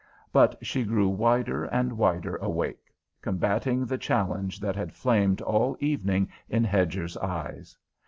But she grew wider and wider awake, combating the challenge that had flamed all evening in Hedger's eyes.